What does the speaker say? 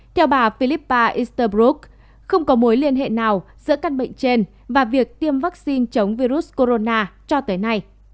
theo bà philippa instabroup không có mối liên hệ nào giữa căn bệnh trên và việc tiêm vaccine chống virus corona cho tới nay